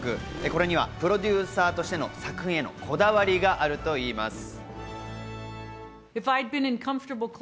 これにはプロデューサーとしての作品へのこだわりがあるといいます。